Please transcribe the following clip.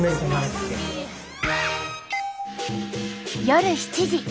夜７時。